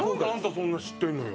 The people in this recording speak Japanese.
そんな知ってんのよ